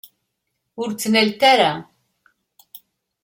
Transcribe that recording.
Ur tt-ttnalent ara.